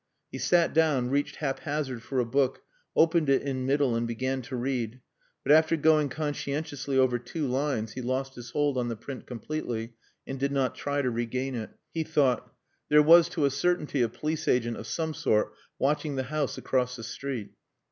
He sat down, reached haphazard for a book, opened it in middle and began to read; but after going conscientiously over two lines he lost his hold on the print completely and did not try to regain it. He thought "There was to a certainty a police agent of some sort watching the house across the street."